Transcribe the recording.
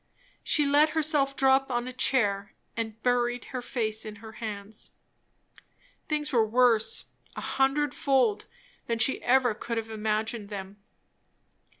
She let herself drop on a chair and buried her face in her hands. Things were worse, a hundred fold, than ever she could have imagined them.